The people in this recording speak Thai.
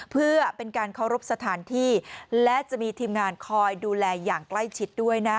เพื่อเป็นการเคารพสถานที่และจะมีทีมงานคอยดูแลอย่างใกล้ชิดด้วยนะ